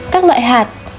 tám các loại hạt